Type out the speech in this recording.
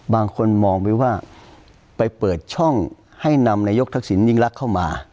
บางคนมองไปว่าไปเปิดช่องให้นำนายกทักษิณยิ่งรักเข้ามา